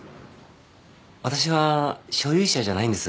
私は所有者じゃないんです。